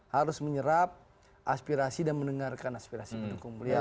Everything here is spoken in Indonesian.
harus menyerap aspirasi dan mendengarkan aspirasi pendukung beliau